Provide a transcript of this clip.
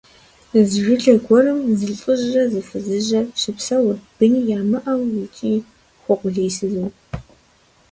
Зы жылэ гуэрым зы лӀыжьрэ зы фызыжьрэ щыпсэурт, быни ямыӀэу икӀи хуэкъулейсызу.